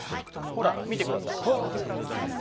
ほら、見てください。